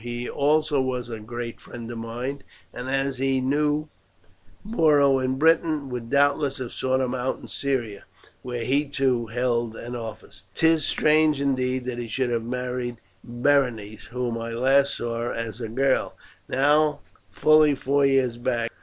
He also was a great friend of mine, and as he knew Muro in Britain, would doubtless have sought him out in Syria, where he, too, held an office. 'Tis strange indeed that he should have married Berenice, whom I last saw as a girl, now fully four years back.